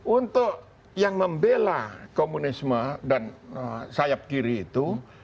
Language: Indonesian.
untuk yang membela komunisme dan sayap kiri itu